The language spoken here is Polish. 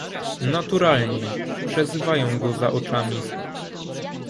"Naturalnie, przezywają go za oczami..."